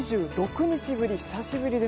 ２６日ぶり。